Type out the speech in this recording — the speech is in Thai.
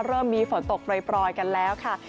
เริ่มมีฝนตกปล่อยกันแล้วค่ะ